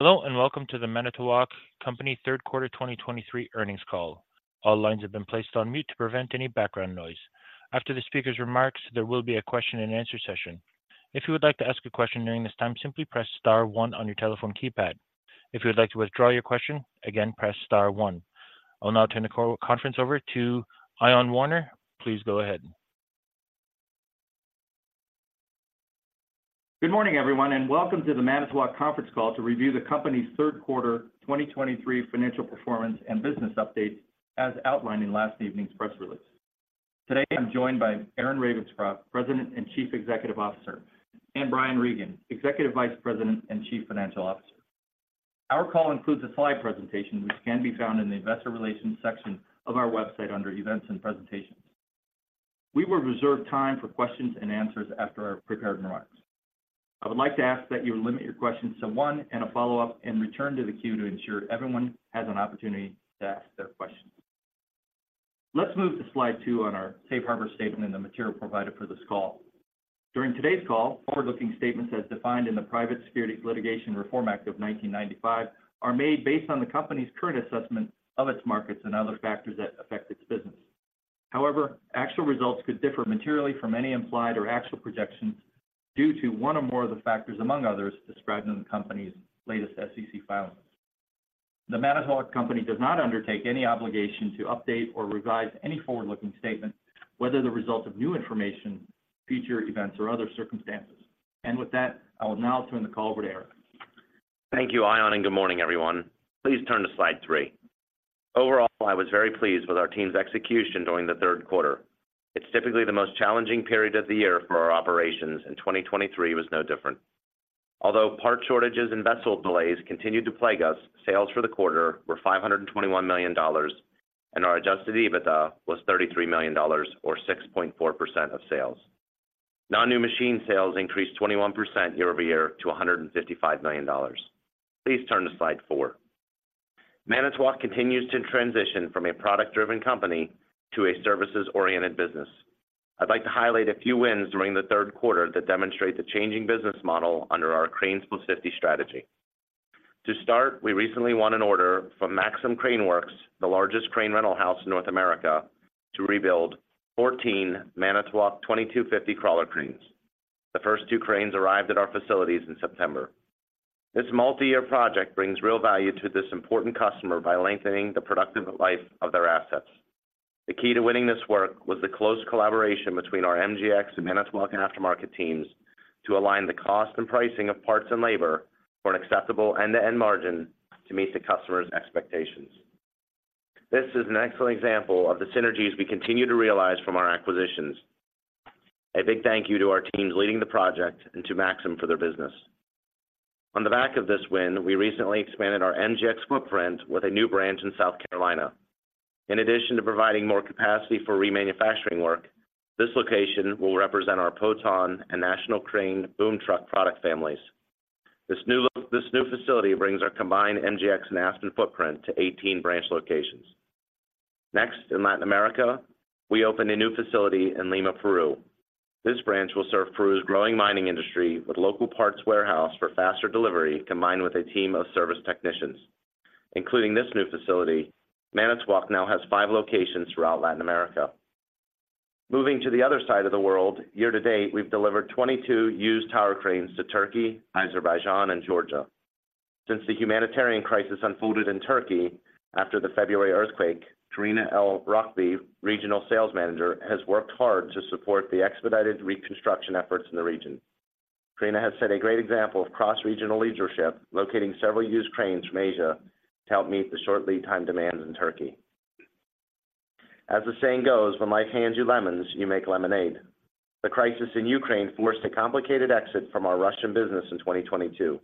Hello, and welcome to the Manitowoc Company Third Quarter 2023 Earnings Call. All lines have been placed on mute to prevent any background noise. After the speaker's remarks, there will be a question and answer session. If you would like to ask a question during this time, simply press star one on your telephone keypad. If you would like to withdraw your question, again, press star one. I'll now turn the call over to Ion Warner. Please go ahead. Good morning, everyone, and welcome to the Manitowoc conference call to review the company's third quarter 2023 financial performance and business update, as outlined in last evening's press release. Today, I'm joined by Aaron Ravenscroft, President and Chief Executive Officer, and Brian Regan, Executive Vice President and Chief Financial Officer. Our call includes a slide presentation, which can be found in the Investor Relations section of our website under Events and Presentations. We will reserve time for questions and answers after our prepared remarks. I would like to ask that you limit your questions to one and a follow-up and return to the queue to ensure everyone has an opportunity to ask their questions. Let's move to slide 2 on our safe harbor statement and the material provided for this call. During today's call, forward-looking statements as defined in the Private Securities Litigation Reform Act of 1995 are made based on the company's current assessment of its markets and other factors that affect its business. However, actual results could differ materially from any implied or actual projections due to one or more of the factors, among others, described in the company's latest SEC filings. The Manitowoc Company does not undertake any obligation to update or revise any forward-looking statements, whether the result of new information, future events, or other circumstances. With that, I will now turn the call over to Aaron. Thank you, Ion, and good morning, everyone. Please turn to slide three. Overall, I was very pleased with our team's execution during the third quarter. It's typically the most challenging period of the year for our operations, and 2023 was no different. Although part shortages and vessel delays continued to plague us, sales for the quarter were $521 million, and our adjusted EBITDA was $33 million or 6.4% of sales. Non-new machine sales increased 21% year-over-year to $155 million. Please turn to slide four. Manitowoc continues to transition from a product-driven company to a services-oriented business. I'd like to highlight a few wins during the third quarter that demonstrate the changing business model under our Cranes+50 strategy. To start, we recently won an order from Maxim Crane Works, the largest crane rental house in North America, to rebuild 14 Manitowoc 2250 crawler cranes. The first two cranes arrived at our facilities in September. This multi-year project brings real value to this important customer by lengthening the productive life of their assets. The key to winning this work was the close collaboration between our MGX and Manitowoc and aftermarket teams to align the cost and pricing of parts and labor for an acceptable end-to-end margin to meet the customer's expectations. This is an excellent example of the synergies we continue to realize from our acquisitions. A big thank you to our teams leading the project and to Maxim for their business. On the back of this win, we recently expanded our MGX footprint with a new branch in South Carolina. In addition to providing more capacity for remanufacturing work, this location will represent our Potain and National Crane boom truck product families. This new facility brings our combined MGX and Aspen footprint to 18 branch locations. Next, in Latin America, we opened a new facility in Lima, Peru. This branch will serve Peru's growing mining industry with local parts warehouse for faster delivery, combined with a team of service technicians. Including this new facility, Manitowoc now has locations throughout Latin America. Moving to the other side of the world, year to date, we've delivered 22 used tower cranes to Turkey, Azerbaijan, and Georgia. Since the humanitarian crisis unfolded in Turkey after the February earthquake, Carina El Rkaiby, Regional Sales Manager, has worked hard to support the expedited reconstruction efforts in the region. Carina has set a great example of cross-regional leadership, locating several used cranes from Asia to help meet the short lead time demands in Turkey. As the saying goes, "When life hands you lemons, you make lemonade." The crisis in Ukraine forced a complicated exit from our Russian business in 2022.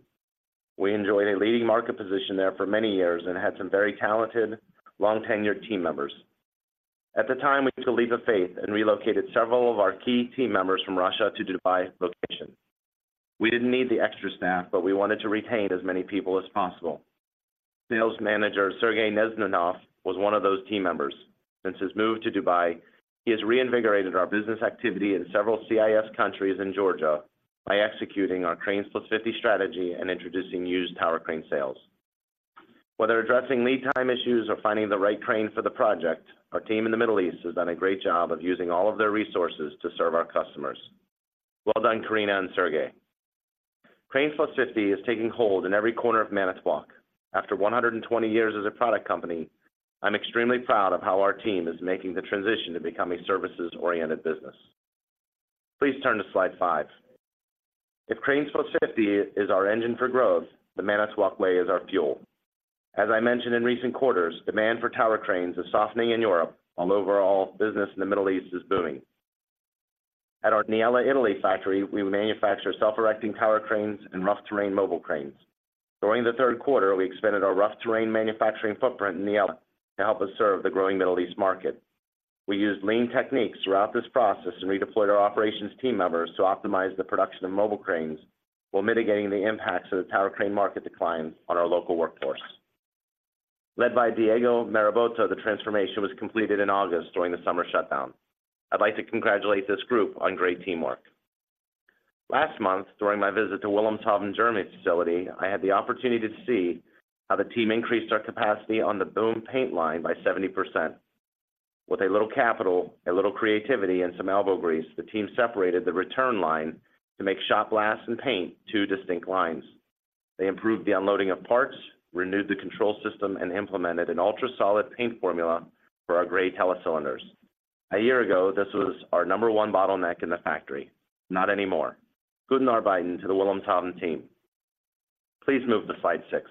We enjoyed a leading market position there for many years and had some very talented, long-tenured team members. At the time, we took a leap of faith and relocated several of our key team members from Russia to Dubai location. We didn't need the extra staff, but we wanted to retain as many people as possible. Sales Manager, Sergey Neznamov, was one of those team members. Since his move to Dubai, he has reinvigorated our business activity in several CIS countries in Georgia by executing our Cranes Plus Fifty strategy and introducing used tower crane sales. Whether addressing lead time issues or finding the right crane for the project, our team in the Middle East has done a great job of using all of their resources to serve our customers. Well done, Carina and Sergey. Cranes Plus Fifty is taking hold in every corner of Manitowoc. After 120 years as a product company, I'm extremely proud of how our team is making the transition to become a services-oriented business. Please turn to slide five. If Cranes Plus Fifty is our engine for growth, the Manitowoc way is our fuel. As I mentioned in recent quarters, demand for tower cranes is softening in Europe, while overall business in the Middle East is booming. At our Niella, Italy factory, we manufacture self-erecting tower cranes and rough terrain mobile cranes. During the third quarter, we expanded our rough terrain manufacturing footprint in Niella to help us serve the growing Middle East market. We used lean techniques throughout this process and redeployed our operations team members to optimize the production of mobile cranes while mitigating the impacts of the tower crane market declines on our local workforce. Led by Diego Marabotto, the transformation was completed in August during the summer shutdown. I'd like to congratulate this group on great teamwork. Last month, during my visit to Wilhelmshaven, Germany, facility, I had the opportunity to see how the team increased our capacity on the boom paint line by 70%. With a little capital, a little creativity, and some elbow grease, the team separated the return line to make shot blasts and paint two distinct lines. They improved the unloading of parts, renewed the control system, and implemented an ultra solid paint formula for our gray telecylinders. A year ago, this was our number one bottleneck in the factory. Not anymore. Gute Arbeit to the Wilhelmshaven team. Please move to slide 6.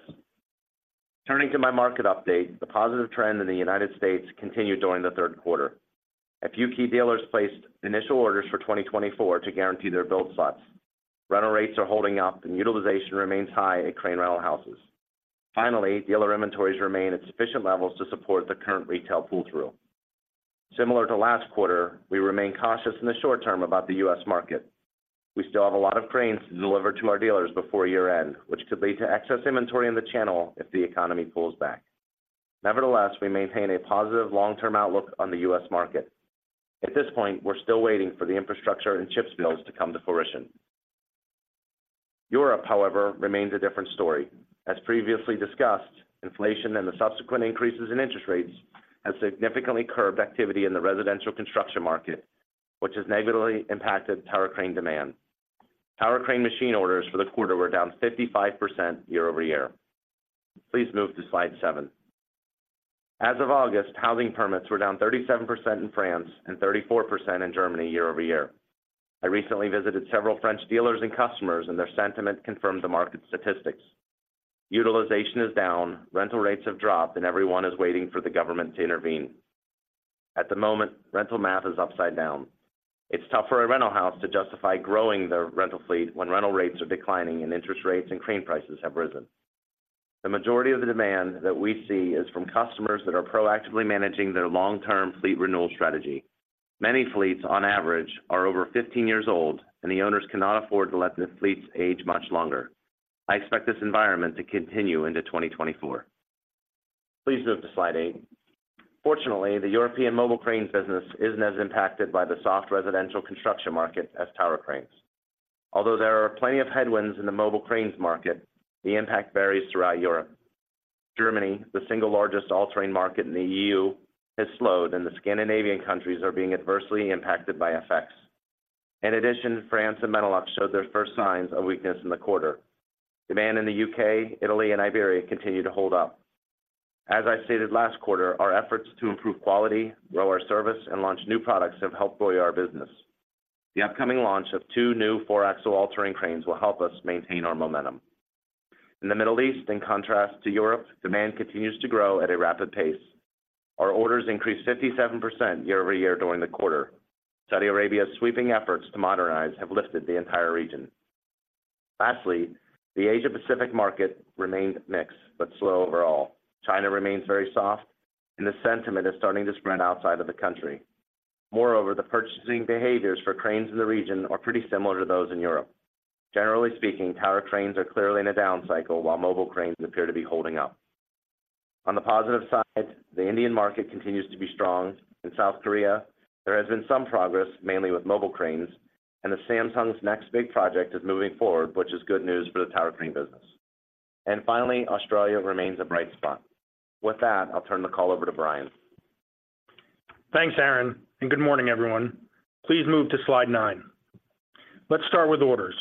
Turning to my market update, the positive trend in the United States continued during the third quarter. A few key dealers placed initial orders for 2024 to guarantee their build slots. Rental rates are holding up, and utilization remains high at crane rental houses. Finally, dealer inventories remain at sufficient levels to support the current retail pull-through. Similar to last quarter, we remain cautious in the short term about the U.S. market. We still have a lot of cranes to deliver to our dealers before year-end, which could lead to excess inventory in the channel if the economy pulls back. Nevertheless, we maintain a positive long-term outlook on the U.S. market. At this point, we're still waiting for the infrastructure and CHIPS bills to come to fruition. Europe, however, remains a different story. As previously discussed, inflation and the subsequent increases in interest rates have significantly curbed activity in the residential construction market, which has negatively impacted tower crane demand. Tower crane machine orders for the quarter were down 55% year-over-year. Please move to slide seven. As of August, housing permits were down 37% in France and 34% in Germany year-over-year. I recently visited several French dealers and customers, and their sentiment confirmed the market statistics. Utilization is down, rental rates have dropped, and everyone is waiting for the government to intervene. At the moment, rental math is upside down. It's tough for a rental house to justify growing their rental fleet when rental rates are declining and interest rates and crane prices have risen. The majority of the demand that we see is from customers that are proactively managing their long-term fleet renewal strategy. Many fleets, on average, are over 15 years old, and the owners cannot afford to let the fleets age much longer. I expect this environment to continue into 2024. Please move to slide eight. Fortunately, the European mobile cranes business isn't as impacted by the soft residential construction market as tower cranes. Although there are plenty of headwinds in the mobile cranes market, the impact varies throughout Europe. Germany, the single largest all-terrain market in the EU, has slowed, and the Scandinavian countries are being adversely impacted by FX. In addition, France and Benelux showed their first signs of weakness in the quarter. Demand in the UK, Italy, and Iberia continue to hold up. As I stated last quarter, our efforts to improve quality, grow our service, and launch new products have helped buoy our business. The upcoming launch of two new four-axle all-terrain cranes will help us maintain our momentum. In the Middle East, in contrast to Europe, demand continues to grow at a rapid pace. Our orders increased 57% year-over-year during the quarter. Saudi Arabia's sweeping efforts to modernize have lifted the entire region. Lastly, the Asia Pacific market remained mixed, but slow overall. China remains very soft, and the sentiment is starting to spread outside of the country. Moreover, the purchasing behaviors for cranes in the region are pretty similar to those in Europe. Generally speaking, tower cranes are clearly in a down cycle, while mobile cranes appear to be holding up. On the positive side, the Indian market continues to be strong. In South Korea, there has been some progress, mainly with mobile cranes, and Samsung's next big project is moving forward, which is good news for the tower crane business. Finally, Australia remains a bright spot. With that, I'll turn the call over to Brian. Thanks, Aaron, and good morning, everyone. Please move to slide nine. Let's start with orders.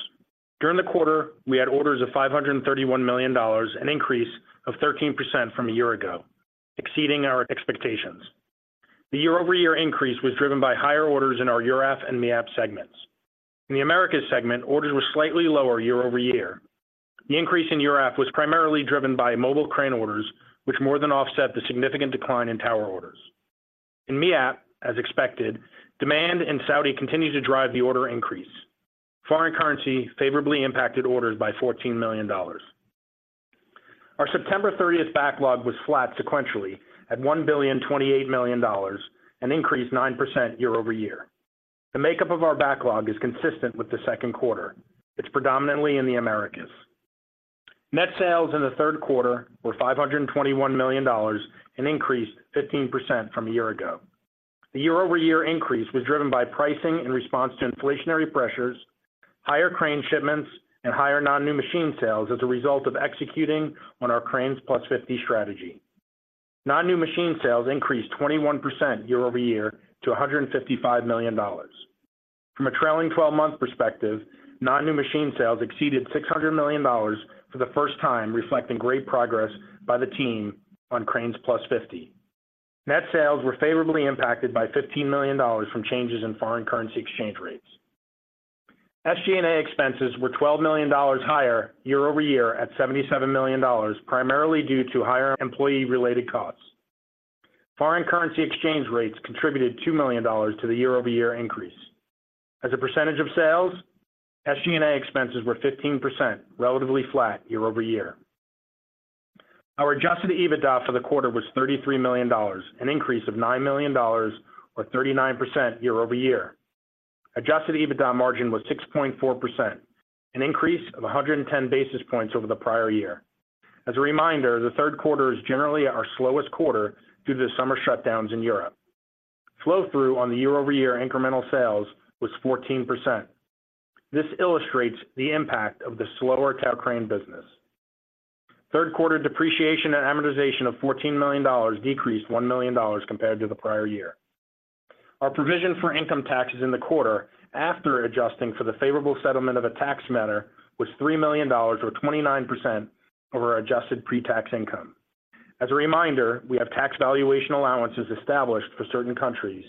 During the quarter, we had orders of $531 million, an increase of 13% from a year ago, exceeding our expectations. The year-over-year increase was driven by higher orders in our EURAF and MEAP segments. In the Americas segment, orders were slightly lower year-over-year. The increase in EURAF was primarily driven by mobile crane orders, which more than offset the significant decline in tower orders. In MEAP, as expected, demand in Saudi continued to drive the order increase. Foreign currency favorably impacted orders by $14 million. Our September thirtieth backlog was flat sequentially at $1.028 billion, an increase 9% year-over-year. The makeup of our backlog is consistent with the second quarter. It's predominantly in the Americas. Net sales in the third quarter were $521 million, an increase 15% from a year ago. The year-over-year increase was driven by pricing in response to inflationary pressures, higher crane shipments, and higher non-new machine sales as a result of executing on our CRANES+50Plus Fifty strategy. Non-new machine sales increased 21% year-over-year to $155 million. From a trailing-twelve-month perspective, non-new machine sales exceeded $600 million for the first time, reflecting great progress by the team on Cranes Plus Fifty. Net sales were favorably impacted by $15 million from changes in foreign currency exchange rates. SG&A expenses were $12 million higher year-over-year, at $77 million, primarily due to higher employee-related costs. Foreign currency exchange rates contributed $2 million to the year-over-year increase. As a percentage of sales, SG&A expenses were 15%, relatively flat year-over-year. Our adjusted EBITDA for the quarter was $33 million, an increase of $9 million or 39% year-over-year. Adjusted EBITDA margin was 6.4%, an increase of 110 basis points over the prior year. As a reminder, the third quarter is generally our slowest quarter due to the summer shutdowns in Europe. Flow-through on the year-over-year incremental sales was 14%. This illustrates the impact of the slower tower crane business. Third quarter depreciation and amortization of $14 million decreased $1 million compared to the prior year. Our provision for income taxes in the quarter, after adjusting for the favorable settlement of a tax matter, was $3 million or 29% of our adjusted pre-tax income. As a reminder, we have tax valuation allowances established for certain countries,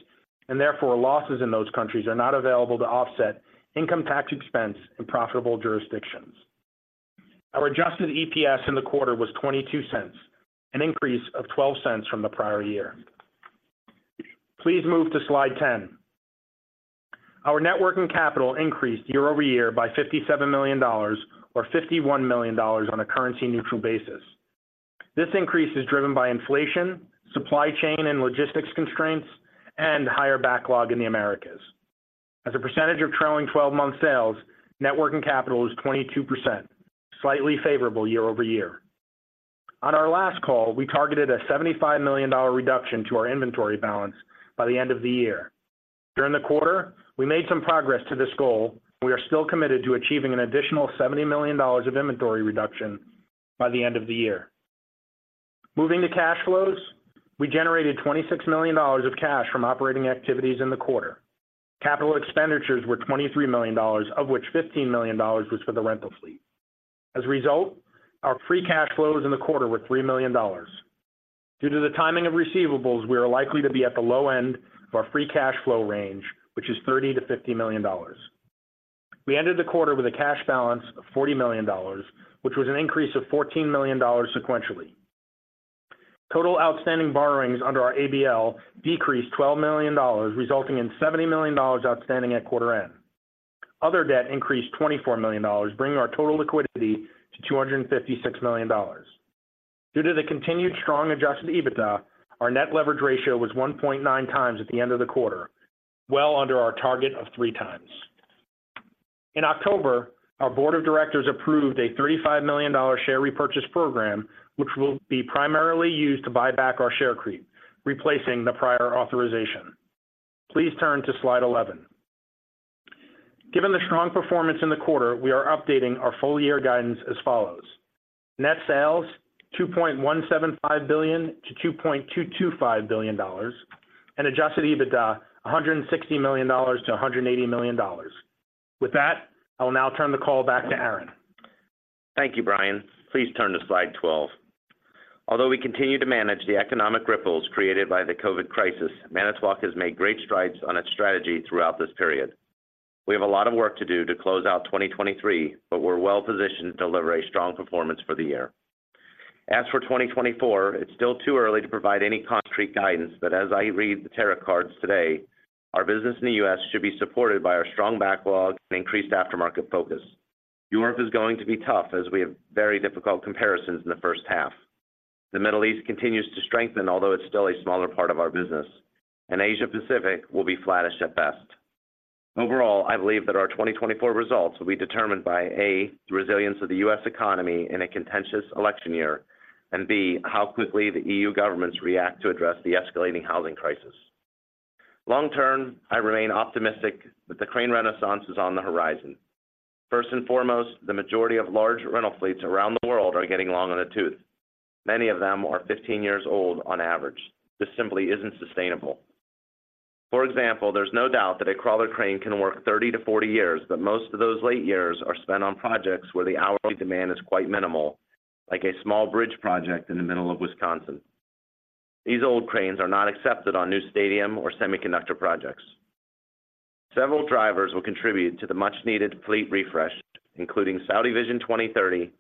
and therefore, losses in those countries are not available to offset income tax expense in profitable jurisdictions. Our Adjusted EPS in the quarter was $0.22, an increase of $0.12 from the prior year. Please move to slide 10. Our net working capital increased year-over-year by $57 million or $51 million on a currency-neutral basis. This increase is driven by inflation, supply chain and logistics constraints, and higher backlog in the Americas. As a percentage of trailing twelve-month sales, net working capital is 22%, slightly favorable year-over-year. On our last call, we targeted a $75 million reduction to our inventory balance by the end of the year. During the quarter, we made some progress to this goal. We are still committed to achieving an additional $70 million of inventory reduction by the end of the year. Moving to cash flows, we generated $26 million of cash from operating activities in the quarter. Capital expenditures were $23 million, of which $15 million was for the rental fleet. As a result, our free cash flows in the quarter were $3 million. Due to the timing of receivables, we are likely to be at the low end of our free cash flow range, which is $30 million-$50 million. We ended the quarter with a cash balance of $40 million, which was an increase of $14 million sequentially. Total outstanding borrowings under our ABL decreased $12 million, resulting in $70 million outstanding at quarter end. Other debt increased $24 million, bringing our total liquidity to $256 million. Due to the continued strong Adjusted EBITDA, our net leverage ratio was 1.9x at the end of the quarter, well under our target of 3x. In October, our board of directors approved a $35 million share repurchase program, which will be primarily used to buy back our share creep, replacing the prior authorization. Please turn to slide 11. Given the strong performance in the quarter, we are updating our full-year guidance as follows: Net sales, $2.175 billion-$2.225 billion, and Adjusted EBITDA, $160 million-$180 million. With that, I will now turn the call back to Aaron. Thank you, Brian. Please turn to slide 12. Although we continue to manage the economic ripples created by the COVID crisis, Manitowoc has made great strides on its strategy throughout this period. We have a lot of work to do to close out 2023, but we're well-positioned to deliver a strong performance for the year. As for 2024, it's still too early to provide any concrete guidance, but as I read the tarot cards today, our business in the U.S. should be supported by our strong backlog and increased aftermarket focus. Europe is going to be tough as we have very difficult comparisons in the first half. The Middle East continues to strengthen, although it's still a smaller part of our business, and Asia Pacific will be flattish at best. Overall, I believe that our 2024 results will be determined by, A, the resilience of the U.S. economy in a contentious election year, and B, how quickly the E.U. governments react to address the escalating housing crisis. Long-term, I remain optimistic that the crane renaissance is on the horizon. First and foremost, the majority of large rental fleets around the world are getting long in the tooth. Many of them are 15 years old on average. This simply isn't sustainable. For example, there's no doubt that a crawler crane can work 30-40 years, but most of those late years are spent on projects where the hourly demand is quite minimal, like a small bridge project in the middle of Wisconsin. These old cranes are not accepted on new stadium or semiconductor projects. Several drivers will contribute to the much-needed fleet refresh, including Saudi Vision 2030,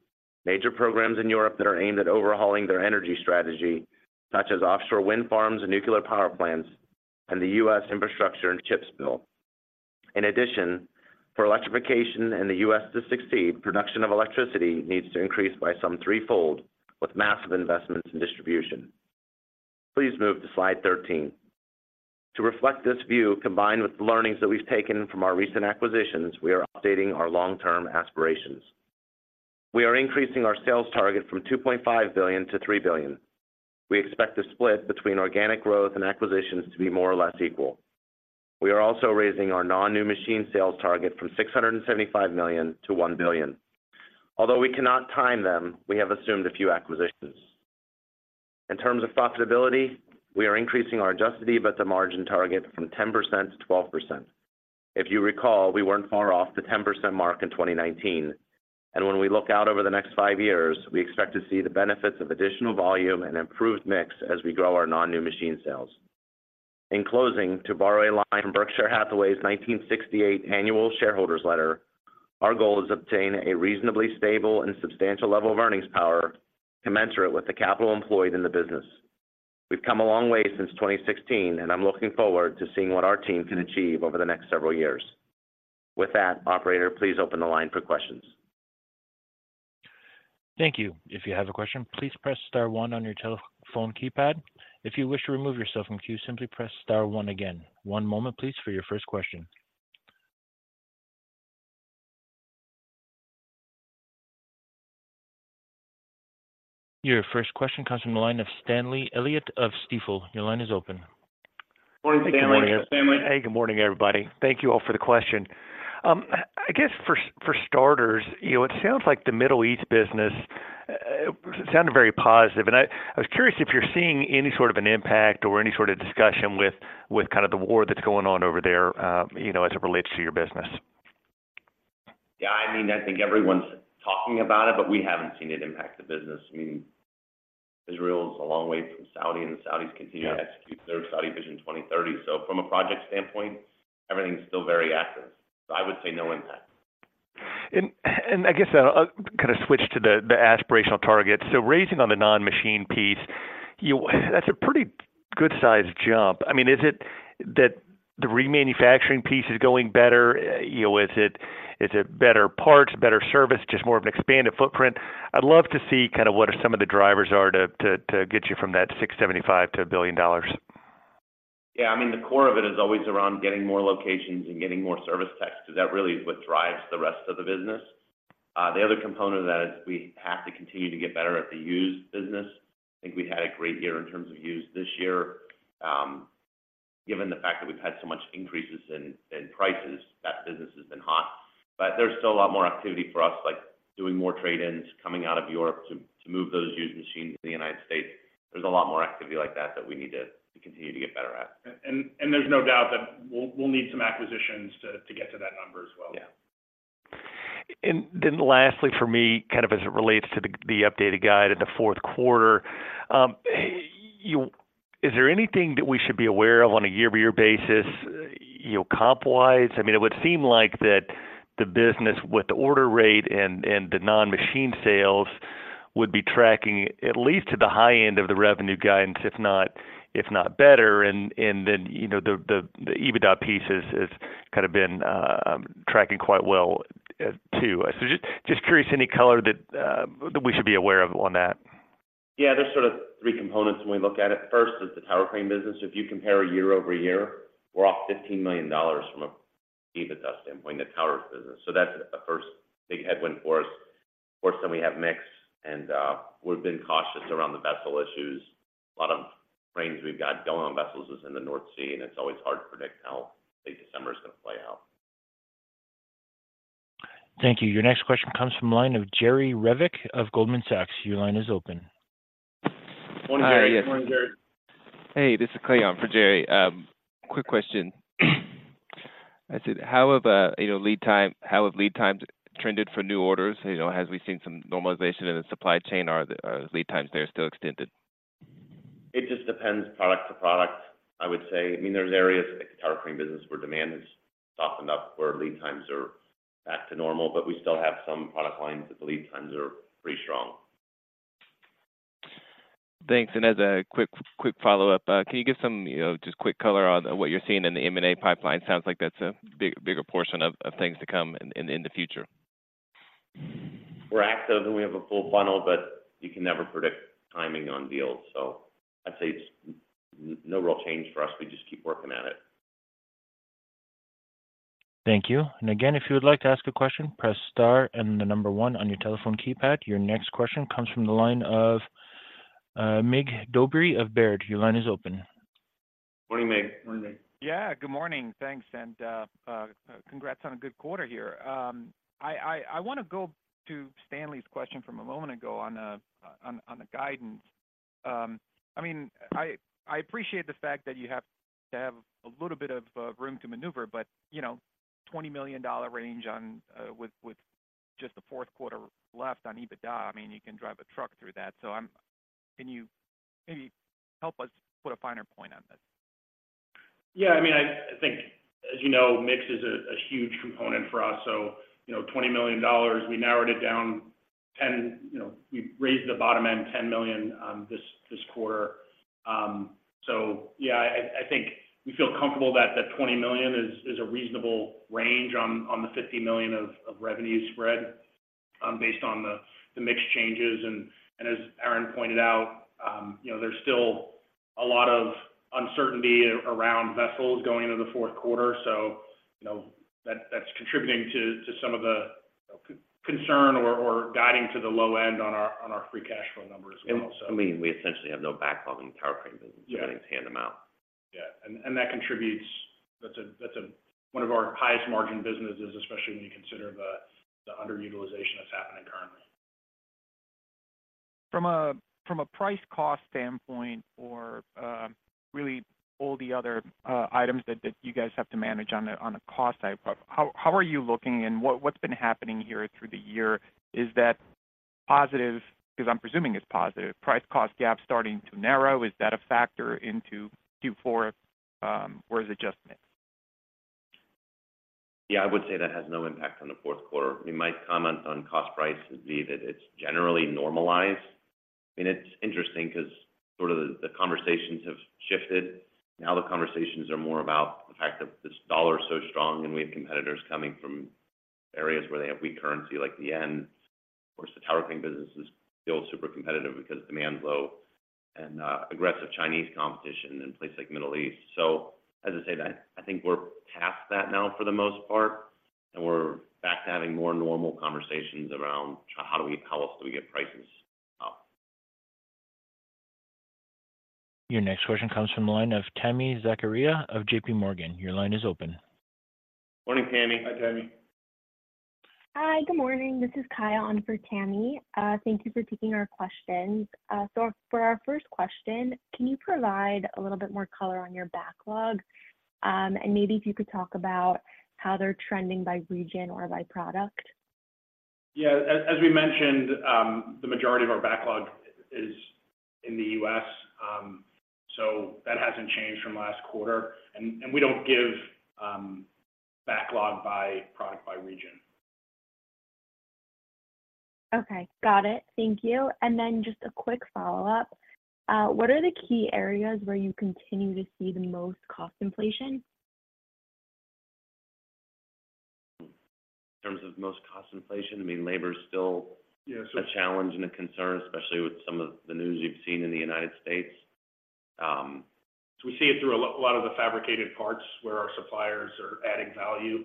major programs in Europe that are aimed at overhauling their energy strategy, such as offshore wind farms and nuclear power plants, and the U.S. infrastructure and CHIPS Act. In addition, for electrification in the U.S. to succeed, production of electricity needs to increase by some threefold, with massive investments in distribution. Please move to slide 13. To reflect this view, combined with the learnings that we've taken from our recent acquisitions, we are updating our long-term aspirations. We are increasing our sales target from $2.5 billion-$3 billion. We expect the split between organic growth and acquisitions to be more or less equal. We are also raising our non-new machine sales target from $675 million-$1 billion. Although we cannot time them, we have assumed a few acquisitions. In terms of profitability, we are increasing our Adjusted EBITDA margin target from 10% to 12%. If you recall, we weren't far off the 10% mark in 2019, and when we look out over the next five years, we expect to see the benefits of additional volume and improved mix as we grow our non-new machine sales. In closing, to borrow a line from Berkshire Hathaway's 1968 Annual Shareholders Letter, "Our goal is to obtain a reasonably stable and substantial level of earnings power, commensurate with the capital employed in the business." We've come a long way since 2016, and I'm looking forward to seeing what our team can achieve over the next several years. With that, operator, please open the line for questions. Thank you, if you have a question, please press star one on your telephone keypad. If you wish to remove yourself from queue, simply press star one again. One moment, please, for your first question. Your first question comes from the line of Stanley Elliott of Stifel. Your line is open. Good morning, Stanley. Good morning. Stanley. Hey, good morning, everybody. Thank you all for the question. I guess for starters, you know, it sounds like the Middle East business sounded very positive, and I was curious if you're seeing any sort of an impact or any sort of discussion with kind of the war that's going on over there, you know, as it relates to your business. Yeah, I mean, I think everyone's talking about it, but we haven't seen it impact the business. I mean, Israel is a long way from Saudi, and the Saudis continue- Yeah to execute their Saudi Vision 2030. So from a project standpoint, everything's still very active. So I would say no impact. I guess I'll kind of switch to the aspirational targets. So raising on the non-machine piece, you, that's a pretty good sized jump. I mean, is it that the remanufacturing piece is going better? You know, is it better parts, better service, just more of an expanded footprint? I'd love to see kind of what are some of the drivers are to get you from that 675 to $1 billion. Yeah, I mean, the core of it is always around getting more locations and getting more service techs, 'cause that really is what drives the rest of the business. The other component of that is we have to continue to get better at the used business. I think we had a great year in terms of used this year. Given the fact that we've had so much increases in prices, that business has been hot. But there's still a lot more activity for us, like doing more trade-ins, coming out of Europe to move those used machines to the United States. There's a lot more activity like that that we need to continue to get better at. There's no doubt that we'll need some acquisitions to get to that number as well. Yeah. And then lastly, for me, kind of as it relates to the updated guide in the fourth quarter, you, is there anything that we should be aware of on a year-over-year basis, you know, comp-wise? I mean, it would seem like the business with the order rate and the non-machine sales would be tracking at least to the high end of the revenue guidance, if not better. And then, you know, the EBITDA piece has kind of been tracking quite well, too. So just curious, any color that we should be aware of on that? Yeah, there's sort of three components when we look at it. First is the tower crane business. If you compare a year-over-year, we're off $15 million from an EBITDA standpoint, the towers business. So that's the first big headwind for us. Of course, then we have mix, and we've been cautious around the vessel issues. A lot of cranes we've got going on vessels is in the North Sea, and it's always hard to predict how late December is going to play out. Thank you. Your next question comes from the line of Jerry Revich of Goldman Sachs. Your line is open. Morning, Jerry. Morning, Jerry. Hey, this is Clay on for Jerry. Quick question. How have lead times trended for new orders? You know, have we seen some normalization in the supply chain, or are the lead times there still extended? It just depends product to product, I would say. I mean, there's areas like the tower crane business where demand has softened up, where lead times are back to normal, but we still have some product lines that the lead times are pretty strong. Thanks. And as a quick, quick follow-up, can you give some, you know, just quick color on what you're seeing in the M&A pipeline? Sounds like that's a bigger portion of things to come in the future. We're active, and we have a full funnel, but you can never predict timing on deals, so I'd say it's no real change for us. We just keep working at it. Thank you. And again, if you would like to ask a question, press star and the number one on your telephone keypad. Your next question comes from the line of Mig Dobre of Baird. Your line is open. Morning, Mig. Morning, Mig. Yeah, good morning. Thanks, and congrats on a good quarter here. I want to go to Stanley's question from a moment ago on the guidance. I mean, I appreciate the fact that you have to have a little bit of room to maneuver, but, you know, $20 million range on, with just the fourth quarter left on EBITDA, I mean, you can drive a truck through that. So I'm... Can you maybe help us put a finer point on this? Yeah, I mean, I think, as you know, mix is a huge component for us. So, you know, $20 million, we narrowed it down ten... You know, we've raised the bottom end $10 million, this quarter. So yeah, I think we feel comfortable that the $20 million is a reasonable range on the $50 million of revenue spread, based on the mix changes. And as Aaron pointed out, you know, there's still a lot of uncertainty around vessels going into the fourth quarter. So, you know, that that's contributing to some of the concern or guiding to the low end on our free cash flow numbers as well, so. I mean, we essentially have no backlog in the tower crane business. Yeah. Everything's handed them out. Yeah, and that contributes. That's one of our highest margin businesses, especially when you consider the underutilization that's happening currently. From a price cost standpoint or really all the other items that you guys have to manage on a cost side, how are you looking and what's been happening here through the year? Is that positive? Because I'm presuming it's positive. Price cost gap starting to narrow, is that a factor into Q4 or is it just mix? Yeah, I would say that has no impact on the fourth quarter. We might comment on cost prices being that it's generally normalized. And it's interesting because sort of the conversations have shifted. Now the conversations are more about the fact that this dollar is so strong, and we have competitors coming from areas where they have weak currency, like the yen. Of course, the tower crane business is still super competitive because demand is low and aggressive Chinese competition in places like Middle East. So as I say, that I think we're past that now for the most part, and we're back to having more normal conversations around how do we, how else do we get prices up? Your next question comes from the line of Tammy Zakaria of JP Morgan. Your line is open. Morning, Tammy. Hi, Tammy. Hi, good morning. This is Kiya on for Tammy. Thank you for taking our questions. So for our first question, can you provide a little bit more color on your backlog? And maybe if you could talk about how they're trending by region or by product. Yeah, as we mentioned, the majority of our backlog is in the U.S. So that hasn't changed from last quarter, and we don't give backlog by product, by region. Okay, got it. Thank you. And then just a quick follow-up. What are the key areas where you continue to see the most cost inflation? In terms of most cost inflation, I mean, labor is still- Yeah. A challenge and a concern, especially with some of the news you've seen in the United States. We see it through a lot of the fabricated parts where our suppliers are adding value,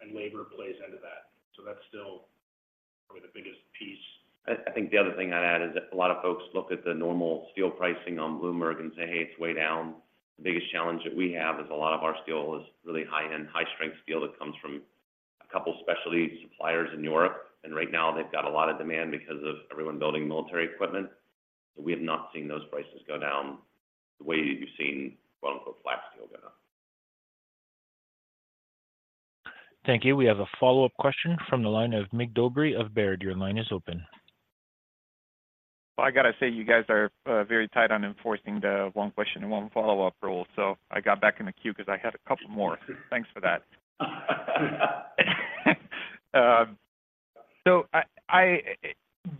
and labor plays into that. So that's still probably the biggest piece. I think the other thing I'd add is that a lot of folks look at the normal steel pricing on Bloomberg and say, "Hey, it's way down." The biggest challenge that we have is a lot of our steel is really high-end, high-strength steel that comes from a couple of specialty suppliers in Europe, and right now, they've got a lot of demand because of everyone building military equipment. So we have not seen those prices go down the way you've seen, quote, unquote, "flat steel" go down. Thank you. We have a follow-up question from the line of Mig Dobre of Baird. Your line is open. Well, I got to say, you guys are very tight on enforcing the one question and one follow-up rule, so I got back in the queue because I had a couple more. Thanks for that. So,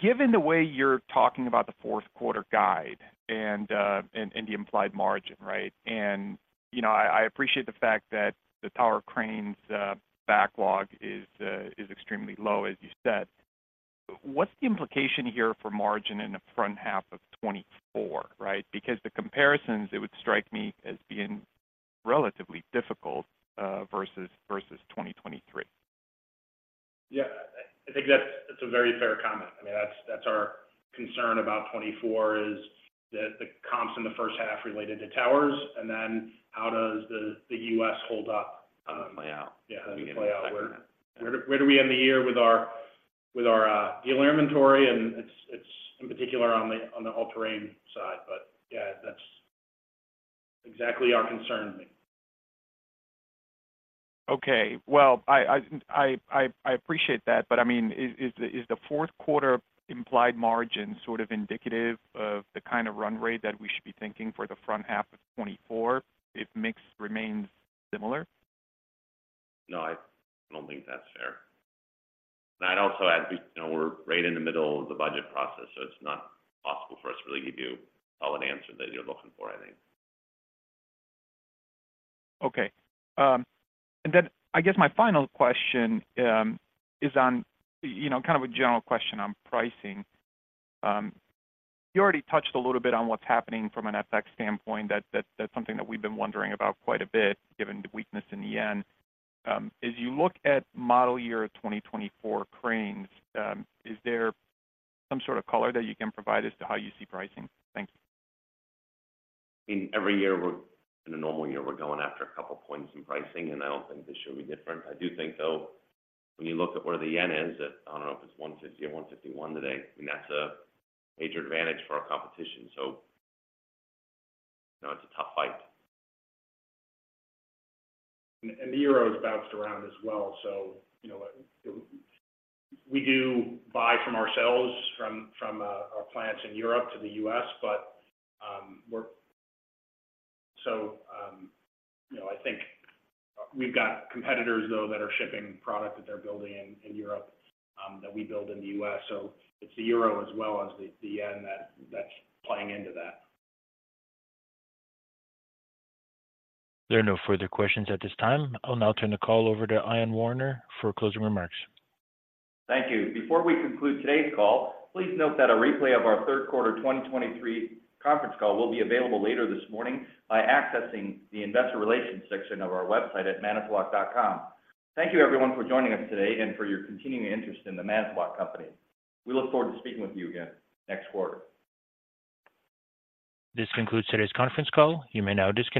given the way you're talking about the fourth quarter guide and the implied margin, right? And, you know, I appreciate the fact that the tower cranes backlog is extremely low, as you said. What's the implication here for margin in the front half of 2024, right? Because the comparisons, it would strike me as being relatively difficult versus 2023. Yeah, I think that's a very fair comment. I mean, that's our concern about 2024, is the comps in the first half related to towers, and then how does the U.S. hold up? How does it play out? Yeah, how does it play out? Exactly. Where do we end the year with our dealer inventory, and it's in particular on the all-terrain side, but yeah, that's exactly our concern. Okay. Well, I appreciate that, but I mean, is the fourth quarter implied margin sort of indicative of the kind of run rate that we should be thinking for the front half of 2024 if mix remains similar? No, I don't think that's fair. And I'd also add, we, you know, we're right in the middle of the budget process, so it's not possible for us to really give you all an answer that you're looking for, I think. Okay, and then I guess my final question is on, you know, kind of a general question on pricing. You already touched a little bit on what's happening from an FX standpoint. That, that's something that we've been wondering about quite a bit, given the weakness in the yen. As you look at model year 2024 cranes, is there some sort of color that you can provide as to how you see pricing? Thank you. In every year, we're... In a normal year, we're going after a couple of points in pricing, and I don't think this year will be different. I do think, though, when you look at where the yen is at 150 or 151 today, and that's a major advantage for our competition. So, you know, it's a tough fight. And the euro has bounced around as well, so you know, we do buy from ourselves, from our plants in Europe to the U.S., but so you know, I think we've got competitors, though, that are shipping product that they're building in Europe that we build in the U.S. So it's the euro as well as the yen that's playing into that. There are no further questions at this time. I'll now turn the call over to Ion Warner for closing remarks. Thank you. Before we conclude today's call, please note that a replay of our third quarter 2023 conference call will be available later this morning by accessing the Investor Relations section of our website at manitowoc.com. Thank you, everyone, for joining us today and for your continuing interest in the Manitowoc Company. We look forward to speaking with you again next quarter. This concludes today's conference call. You may now disconnect.